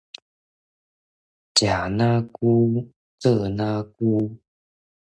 食若牛，做若龜